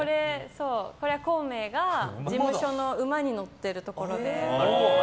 これは孔明が事務所の馬に乗ってるところで。